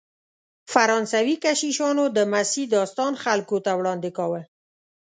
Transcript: فرانسوي کشیشانو د مسیح داستان خلکو ته وړاندې کاوه.